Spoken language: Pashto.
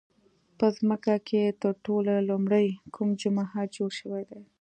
په ځمکه کې تر ټولو لومړی کوم جومات جوړ شوی دی؟